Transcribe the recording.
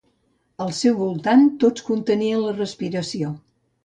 Al seu voltant tots conteníem la respiració.